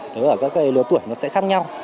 đối với các lứa tuổi nó sẽ khác nhau